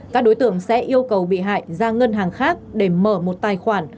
các đối tượng sẽ yêu cầu bị hại ra ngân hàng khác để mở một tài khoản